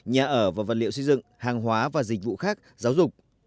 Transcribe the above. nhà ở và vật liệu xây dựng hàng hóa và dịch vụ khác giáo dục